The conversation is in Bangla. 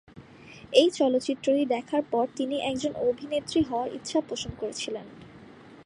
এই চলচ্চিত্রটি দেখার পর তিনি একজন অভিনেত্রী হওয়ার ইচ্ছা পোষণ করেছিলেন।